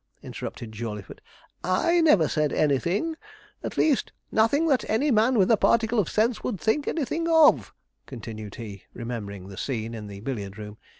interrupted Jawleyford. 'I never said anything at least, nothing that any man with a particle of sense would think anything of,' continued he, remembering the scene in the billiard room.